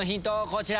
こちら。